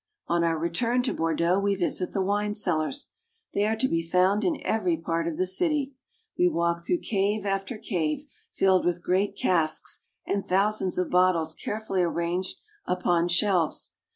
On our return to Bordeaux we visit the wine cellars. They are to be found in every part of the city. We walk through cave after cave, filled with great casks, and thou sands of bottles carefully arranged upon shelves.